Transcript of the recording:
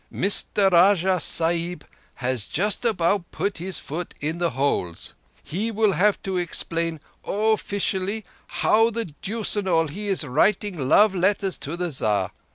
"Mister Rajah Sahib has just about put his foot in the holes. He will have to explain offeecially how the deuce an' all he is writing love letters to the Czar.